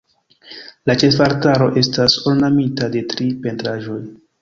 La ĉefa altaro estas ornamita de tri pentraĵoj.